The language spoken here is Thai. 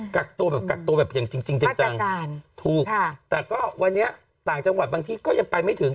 กักตัวแบบกักตัวแบบอย่างจริงจังถูกค่ะแต่ก็วันนี้ต่างจังหวัดบางที่ก็ยังไปไม่ถึง